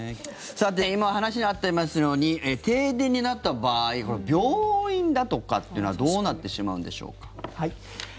今、話にあったように停電になった場合病院だとかというのはどうなってしまうんでしょうか。